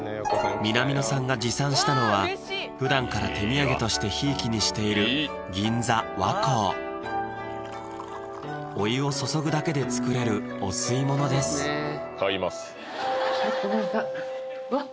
南野さんが持参したのはふだんから手土産としてひいきにしている銀座・和光お湯を注ぐだけで作れるお吸い物です買いますわっ！